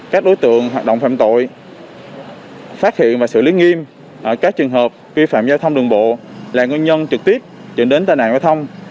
các đối tượng hoạt động phạm tội phát hiện và xử lý nghiêm các trường hợp vi phạm giao thông đường bộ là nguyên nhân trực tiếp dẫn đến tai nạn giao thông